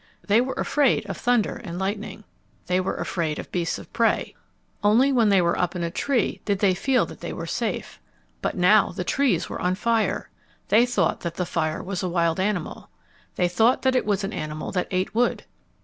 They were afraid of thunder and lightning. They were afraid of beasts of prey. Only when they were up in a tree did they feel that they were safe. But now the trees were on fire. They thought that the fire was a wild animal. They thought that it was an animal that ate wood.